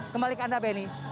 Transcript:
kembali ke anda benny